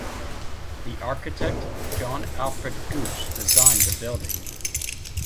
The architect John Alfred Gotch designed the building.